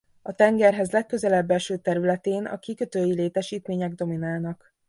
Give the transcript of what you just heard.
A tengerhez legközelebb eső területén a kikötői létesítmények dominálnak.